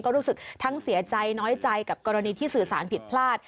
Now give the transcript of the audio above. ก็รู้สึกทั้งเสียใจน้อยใจกับกรณีที่สื่อสารผิดพลาด